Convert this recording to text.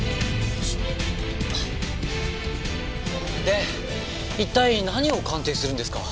で一体何を鑑定するんですか？